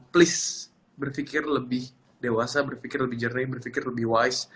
please berpikir lebih dewasa berpikir lebih jernih berpikir lebih wise